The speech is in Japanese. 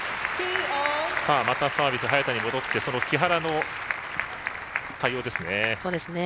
またサービス早田に戻ってその木原の対応ですね。